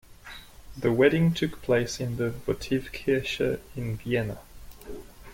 The wedding took place in the Votivkirche in Vienna.